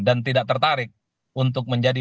dan tidak tertarik untuk menjadi